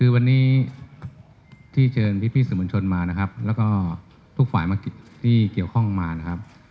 คือวันนี้ที่เชิญพี่สื่อมวลชนมานะครับแล้วก็ทุกฝ่ายมาที่เกี่ยวข้องมานะครับ